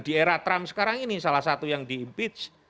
karena trump sekarang ini salah satu yang diimpij